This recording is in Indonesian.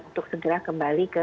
untuk segera kembali ke